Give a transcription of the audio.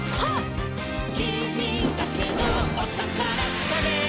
「きみだけのおたからつかめ！」